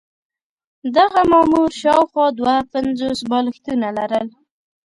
دغه مامور شاوخوا دوه پنځوس بالښتونه لرل.